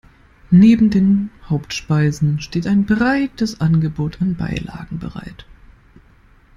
Neben den Hauptspeisen steht ein breites Angebot an Beilagen bereit.